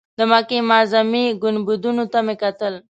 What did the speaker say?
د مکې معظمې ګنبدونو ته مې کتل.